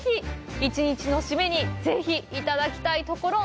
一日の締めに、ぜひ、いただきたいところ！